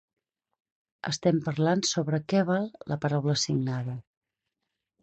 Estem parlant sobre què val la paraula signada.